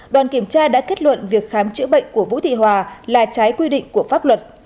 đoàn kiểm tra đã kết luận việc khám chữa bệnh của vũ thị hòa là trái quy định của pháp luật